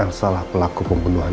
elsa lah pelaku pembunuhan ra